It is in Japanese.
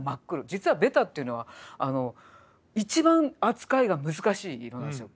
実はベタっていうのは一番扱いが難しい色なんですよ。